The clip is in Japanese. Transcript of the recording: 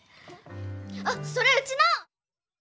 あっそれうちの！